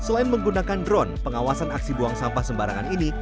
selain menggunakan drone pengawasan aksi buang sampah sembarangan ini